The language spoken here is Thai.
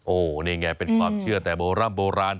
โอ้นี่ไงเป็นความเชื่อแต่โบราณ